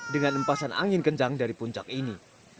dengan empasan angin kencang dari puncak ini